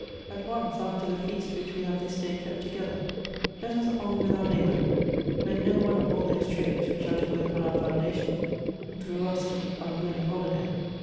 At once, after the feast which wc have this day kept togetlier, let us on with our labor; let no one of all those trades which are to work on our foundation, through us keep unwilling holiday.